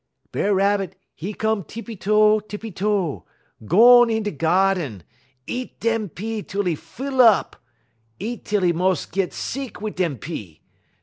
B'er Rabbit, 'e come tippy toe, tippy toe; gone in da geerden; eat dem pea tel 'e full up; eat tel he mos' git seeck wit' dem pea.